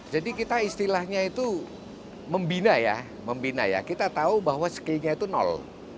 jadi kita istilahnya itu membina ya kita tahu bahwa skillnya itu nol